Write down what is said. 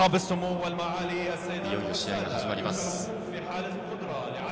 いよいよ試合が始まります。